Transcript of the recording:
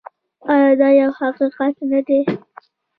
آیا دا یو حقیقت نه دی؟